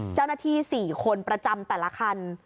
เจ้าหน้าที่๔คนประจำแต่ละคัน